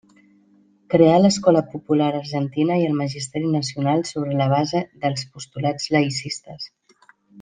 Creà l'escola popular argentina i el magisteri nacional sobre la base dels postulats laïcistes.